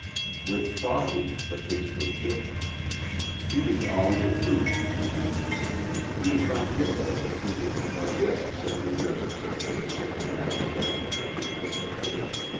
With Foggy the case was different. He was always a prudent man. He was not given to the taking of unnecessary risks for the sake of abstract principles.